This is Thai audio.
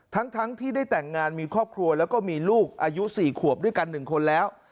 ทั้งที่ได้แต่งงานมีครอบครัวแล้วก็มีลูกอายุ๔ขวบด้วยกัน๑คนแล้ว